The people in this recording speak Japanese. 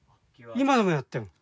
今でもやってる。